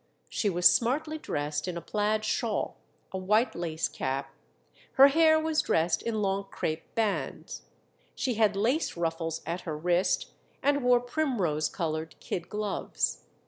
She was smartly dressed in a plaid shawl, a white lace cap; her hair was dressed in long crêpe bands. She had lace ruffles at her wrist, and wore primrose coloured kid gloves.